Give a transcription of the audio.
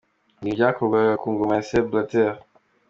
Ibi byakorwaga ku ngoma ya Sepp Blatter.